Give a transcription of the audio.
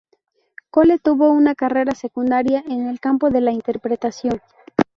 Cole tuvo una carrera secundaria en el campo de la interpretación.